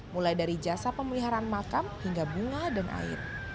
mulai dari jasa pemeliharaan makam hingga bunga dan air